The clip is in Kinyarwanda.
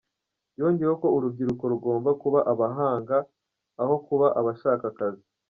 Yongeyeho ko urubyiruko rugomba kuba abahanga umurimo aho kuba abashaka akazi.